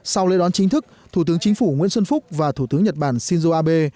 sau lễ đón chính thức thủ tướng chính phủ nguyễn xuân phúc và thủ tướng nhật bản shinzo abe